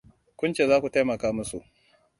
Kun ce zaku taimaka musu.